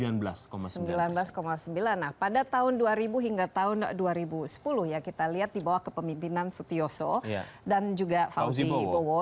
nah pada tahun dua ribu hingga tahun dua ribu sepuluh ya kita lihat di bawah kepemimpinan sutioso dan juga fauzi bowo